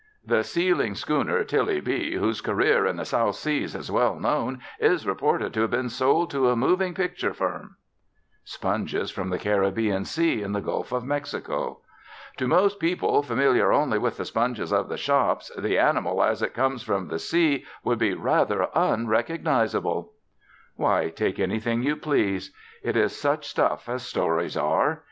"The sealing schooner Tillie B., whose career in the South Seas is well known, is reported to have been sold to a moving picture firm." Sponges from the Caribbean Sea and the Gulf of Mexico. "To most people, familiar only with the sponges of the shops, the animal as it comes from the sea would be rather unrecognisable." Why, take anything you please! It is such stuff as stories are.